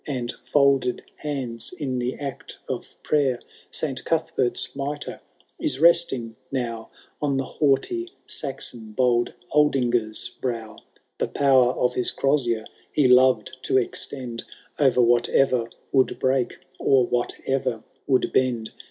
And folded hands in the act of prayer. Saint Cuthbert's mitre is resting now On the haughty Saxon, bold Aldingar> brow ; The power of his crozier he loved to extend O'er whatever would break, or whatever would bend.